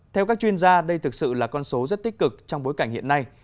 theo các chuyên gia đây thực sự là con số rất tích cực trong bối cảnh hiện nay